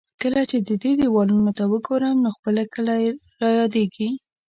کله چې د دې دېوالونو ته ګورم، نو خپل کلی را یادېږي.